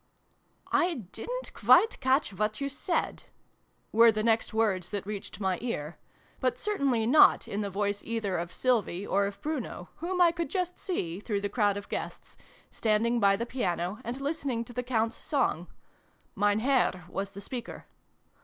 " I DIDN'T quite catch what you said !" were the next words that reached my ear, but cer tainly not in the voice either of Sylvie or of Bruno, whom I could just see, through the crowd of guests, standing by the piano, and listening to the Count's song. Mein Herr was the speaker.